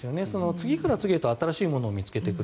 次から次へと新しいものを見つけてくる。